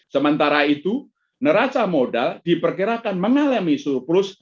sementara itu neraca modal diperkirakan mengalami surplus